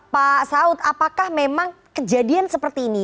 pak saud apakah memang kejadian seperti ini